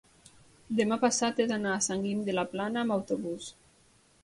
demà passat he d'anar a Sant Guim de la Plana amb autobús.